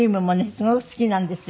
すごく好きなんですよ。